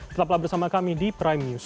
tetaplah bersama kami di prime news